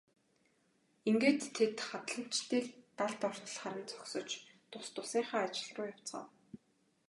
Ингээд тэд хадланчдыг далд ортол харан зогсож тус тусынхаа ажил руу явцгаав.